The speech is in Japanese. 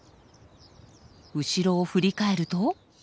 後ろを振り返ると。